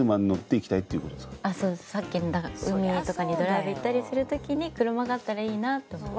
さっきの海とかにドライブ行ったりする時に車があったらいいなって思う。